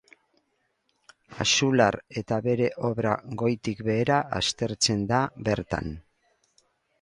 Axular eta bere obra goitik behera aztertzen da bertan.